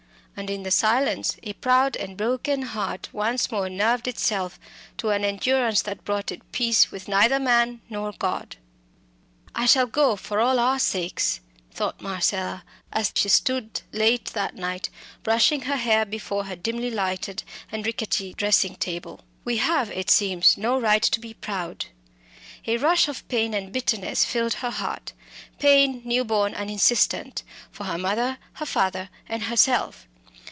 And in the silence a proud and broken heart once more nerved itself to an endurance that brought it peace with neither man nor God. "I shall go, for all our sakes," thought Marcella, as she stood late that night brushing her hair before her dimly lighted and rickety dressing table. "We have, it seems, no right to be proud." A rush of pain and bitterness filled her heart pain, new born and insistent, for her mother, her father, and herself.